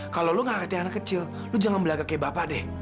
kalau lu nggak hati anak kecil lu jangan berlagak kayak bapak deh